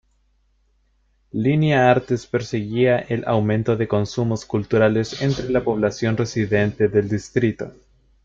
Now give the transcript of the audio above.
Línea Artes perseguía el aumento de consumos culturales entre la población residente del distrito.